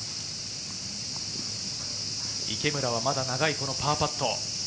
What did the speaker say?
池村はまだ長いパーパット。